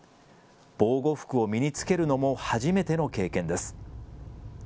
防護服を身に着けるのも初めての経験です。